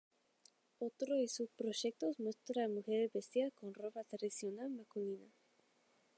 Otro de sus proyectos muestra a mujeres vestidas con ropa tradicional masculina.